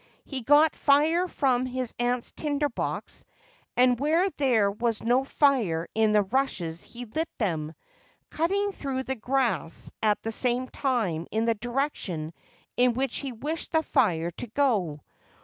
He got fire from his aunt's tinder box, and where there was no fire in the rushes he lit them, cutting through the grass at the same time in the direction in which he wished the fire to go.